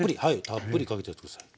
たっぷりかけちゃって下さい。